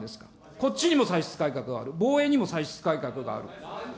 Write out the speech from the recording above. こっちにも歳出改革がある、防衛にも歳出改革がある。